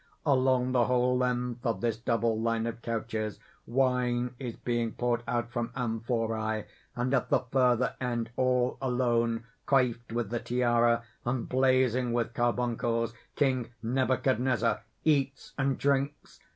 Along the whole length of this double line of couches, wine is being poured out from amphoræ, and at the further end, all alone, coiffed with the tiara and blazing with carbuncles, King Nebuchadnezzar eats and drinks.